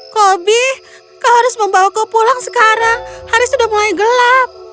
kobi kau harus membawaku pulang sekarang hari sudah mulai gelap